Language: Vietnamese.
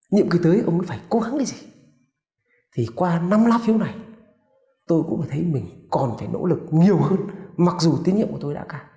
nhiệm kỳ tới ông ấy phải cố gắng đi gì thì qua năm lá phiếu này tôi cũng thấy mình còn phải nỗ lực nhiều hơn mặc dù tiến nhiệm của tôi đã cao